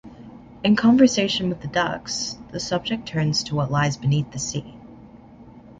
In conversation with the ducks the subject turns to what lies beneath the sea.